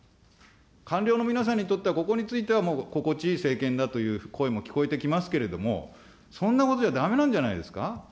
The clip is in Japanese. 官僚の皆さんにとっては、ここについては心地いい政権だという声も聞こえてきますけれども、そんなことじゃだめなんじゃないですか。